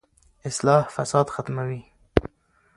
اصلاح فساد ختموي.